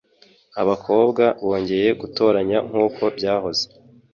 Abakobwa bongeye gutoranya nkuko byahozeho.